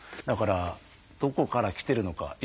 だからどこからきてるのか。